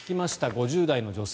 ５０代の女性。